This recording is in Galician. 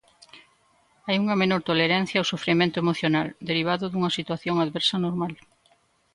"Hai unha menor tolerancia ao sufrimento emocional" derivado dunha situación adversa normal.